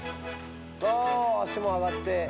あ足も上がって。